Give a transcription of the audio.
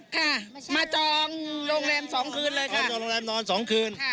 ค่ะมาจองโรงแรมสองคืนเลยครับจองโรงแรมนอนสองคืนค่ะ